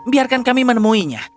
biarkan kami menemuinya